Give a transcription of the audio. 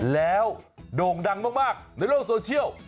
แล้วโด่งดังมากในโลกโซเชียล